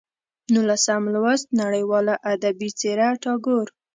نولسم لوست: نړیواله ادبي څېره ټاګور